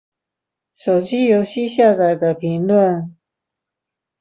手機遊戲下載的評論